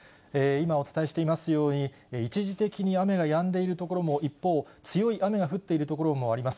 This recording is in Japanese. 今お伝えしていますように、一時的に雨がやんでいる所も、一方、強い雨が降っている所もあります。